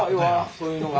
そういうのが。